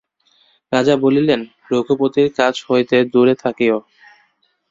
রাজা বলিলেন, রঘুপতির কাছ হইতে দূরে থাকিয়ো।